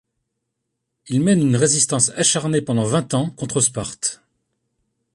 Il mène une résistance acharnée pendant vingt ans contre Sparte.